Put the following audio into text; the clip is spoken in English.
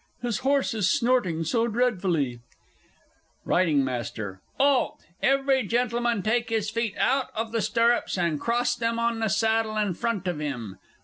His horse is snorting so dreadfully! R. M. 'Alt! Every Gentleman take his feet out of the stirrups, and cross them on the saddle in front of him.